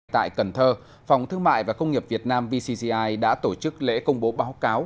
tại cần thơ phòng thương mại và công nghiệp việt nam vcgi đã tổ chức lễ công bố báo cáo